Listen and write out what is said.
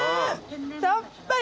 さっぱり。